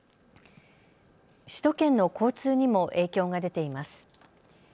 首都圏の交通にも影響が出ています。